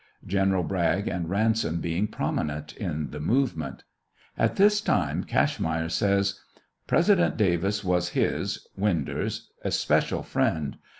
Generals Bragg and Ransom being prominent in the movement. At this time Cashmeyer says : President Davis was his (Winder's) especial friend.